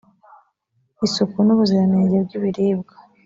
isuku n ubuziranenge bw ibiribwa